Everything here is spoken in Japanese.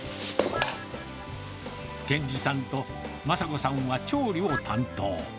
健志さんとまさ子さんは調理を担当。